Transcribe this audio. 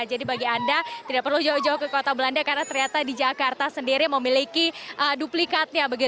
jadi bagi anda tidak perlu jauh jauh ke kota belanda karena ternyata di jakarta sendiri memiliki duplikat